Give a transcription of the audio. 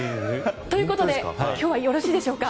ということで今日はよろしいでしょうか。